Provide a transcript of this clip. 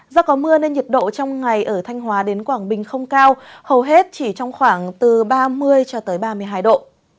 do có mưa nên nhiệt độ trong ngày ở thanh hóa đến quảng bình không cao hầu hết chỉ trong khoảng từ ba mươi cho tới ba mươi hai độ